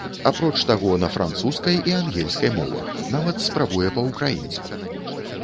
Апроч таго, на французскай і ангельскай мовах, нават спрабуе па-ўкраінску.